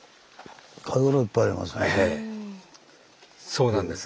そうなんです。